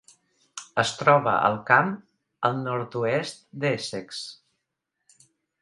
Es troba al camp al nord-oest d'Essex.